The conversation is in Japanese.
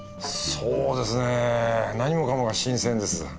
そうですね何もかもが新鮮です。